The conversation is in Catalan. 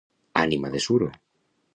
Ànima de suro!